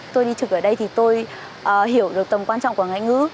tôi đi trực ở đây thì tôi hiểu được tầm quan trọng của ngoại ngữ